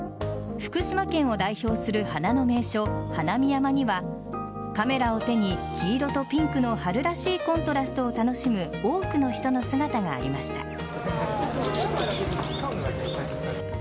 福島県を代表する花の名所花見山にはカメラを手に黄色とピンクの春らしいコントラストを楽しむ多くの人の姿がありました。